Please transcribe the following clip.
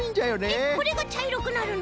えっこれがちゃいろくなるの？